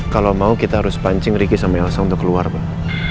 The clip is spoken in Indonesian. kalau mau kita harus pancing ricky sama elsa untuk keluar pak